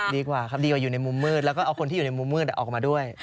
ดีกว่าครับดีกว่าอยู่ในมุมมืดแล้วก็เอาคนที่อยู่ในมุมมืดออกมาด้วย